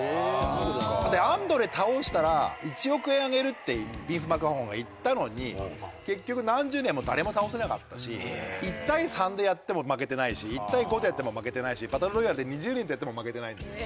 だって「アンドレ倒したら１億円あげる」ってビンス・マクマホンが言ったのに結局何十年も誰も倒せなかったし１対３でやっても負けてないし１対５でやっても負けてないしバトルロイヤルで２０人とやっても負けてないんですよ。